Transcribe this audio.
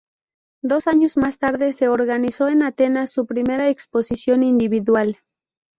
Dos años más tarde se organizó en Atenas su primera exposición individual.